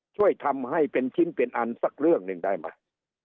ช่วยทำให้เป็นชิ้นเป็นอันสักเรื่องหนึ่งได้ไหม